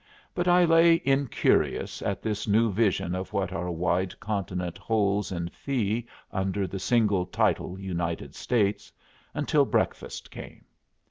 But I lay incurious at this new vision of what our wide continent holds in fee under the single title United States, until breakfast came.